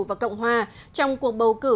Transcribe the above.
và cộng hòa trong cuộc bầu cử